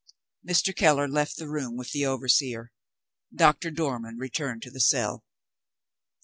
Mr. Keller left the room with the overseer. Doctor Dormann returned to the cell.